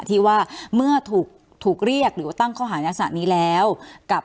ที่ว่าเมื่อถูกเรียกหรือว่าตั้งข้อหารักษะนี้แล้วกับ